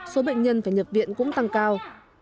số bệnh nhân phải nhập viện cũng tăng cao